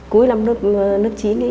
cuối năm lớp chín ấy